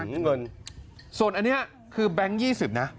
อืมเงินส่วนอันเนี้ยคือแบงค์ยี่สิบนะอ๋อ